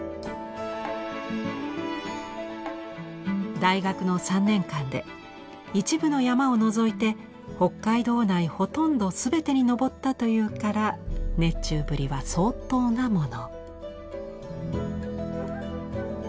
大学の３年間で一部の山を除いて北海道内ほとんど全てに登ったというから熱中ぶりは相当なもの。